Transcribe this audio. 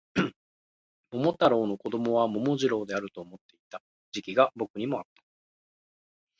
桃太郎の子供は桃次郎であると思っていた時期が僕にもあった